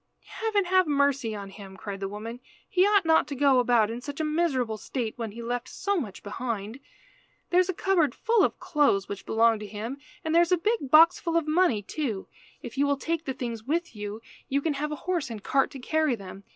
"Heaven have mercy on him!" cried the woman. "He ought not to go about in such a miserable state when he left so much behind. There is a cupboard full of clothes which belonged to him, and there is a big box full of money, too. If you will take the things with you, you can have a horse and cart to carry them.